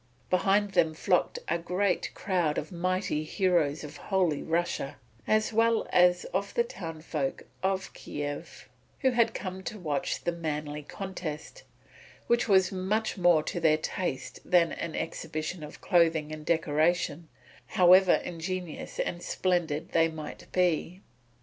Behind them flocked a great crowd of mighty heroes of Holy Russia, as well as of the townsfolk of Kiev, who had come to watch the manly contest, which was much more to their taste than an exhibition of clothing and decoration, however ingenious and splendid they might be.